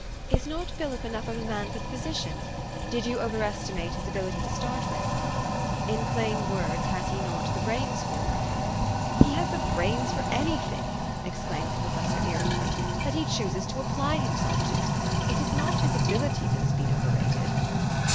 "Is not Philip enough of a man for the position ? Did you overestimate his abilit} r to start with ? In plain words, has not he the brains for it? " 4 ' He has the brains for any thing !'' exclaimed the professor irritably, "that he chooses to apply himself to. It is not his ability that has been over rated."